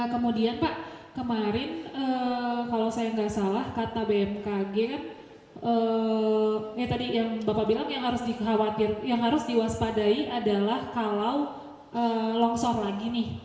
kemudian pak kemarin kalau saya nggak salah kata bmkg ya tadi yang bapak bilang yang harus diwaspadai adalah kalau longsor lagi nih